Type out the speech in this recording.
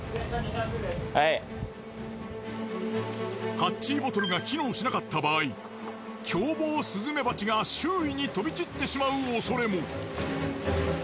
ハッチーボトルが機能しなかった場合凶暴スズメバチが周囲に飛び散ってしまう恐れも。